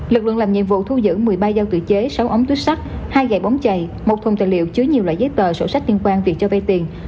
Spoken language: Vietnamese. lực lượng làm nhiệm vụ thu giữ một mươi ba giao tự chế sáu ống tuyếp sắt hai gậy bóng chày một thùng tài liệu chứa nhiều loại giấy tờ sổ sách liên quan việc cho vay tiền